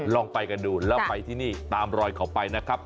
ลองไปกันดูแล้วไปที่นี่ตามรอยเขาไปนะครับ